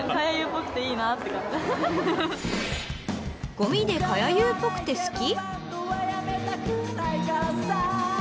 ［ごみでかやゆーっぽくて好き？］